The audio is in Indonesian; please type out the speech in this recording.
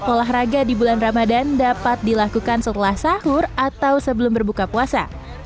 olahraga di bulan ramadan dapat dilakukan setelah sahur atau sebelum berbuka puasa